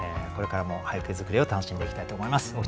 これからも俳句作りを楽しんでいきたいと思います。